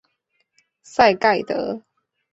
赛盖德。